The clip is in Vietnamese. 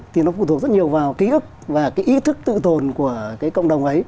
thì nó phụ thuộc rất nhiều vào ký ức và cái ý thức tự tồn của cái cộng đồng ấy